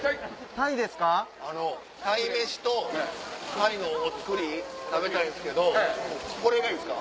鯛めしと鯛のお造り食べたいんですけどこれがいいですか？